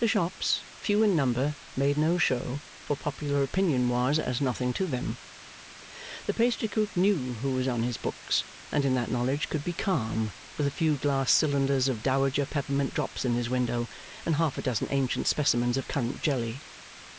The shops, few in number, made no show; for popular opinion was as nothing to them. The pastrycook knew who was on his books, and in that knowledge could be calm, with a few glass cylinders of dowager peppermint drops in his window, and half a dozen ancient specimens of currant jelly.